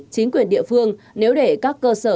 chính quyền địa phương nếu để các cơ sở